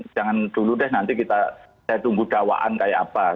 jangan dulu deh nanti kita saya tunggu dakwaan kayak apa